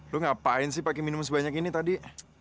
lu ngapain sih pakai minum sebanyak ini tadi